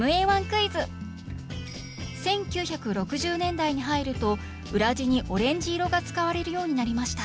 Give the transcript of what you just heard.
１９６０年代に入ると裏地にオレンジ色が使われるようになりました。